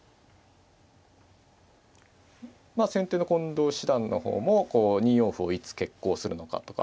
先手の近藤七段の方も２四歩をいつ決行するのかとか。